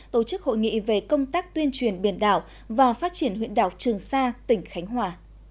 tổ chức hội nghị về công tác tuyên truyền biển đảo và phát triển huyện đảo trường sa tỉnh khánh hòa